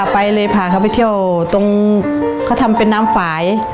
ไปเลยพาเขาไปเที่ยวตรงเขาทำเป็นน้ำฝ่าย